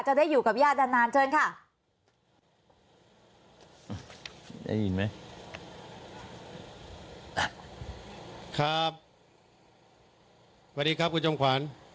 จะได้อยู่กับญาติดันนานเจย์ค่ะ